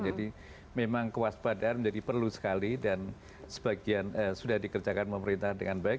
jadi memang kewaspadaan jadi perlu sekali dan sebagian sudah dikerjakan pemerintahan dengan baik